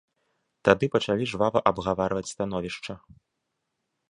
Тады пачалі жвава абгаварваць становішча.